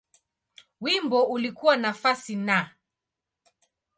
Wimbo ulikuwa nafasi Na.